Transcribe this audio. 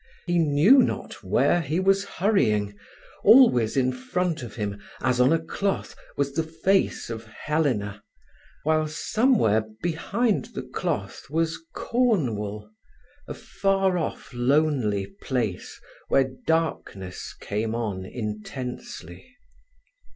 He knew not where he was hurrying. Always in front of him, as on a cloth, was the face of Helena, while somewhere behind the cloth was Cornwall, a far off lonely place where darkness came on intensely.